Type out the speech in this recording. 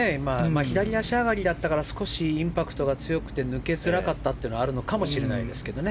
左足上がりだったからインパクトが強くて抜けづらかったというのもあるかもしれないですね。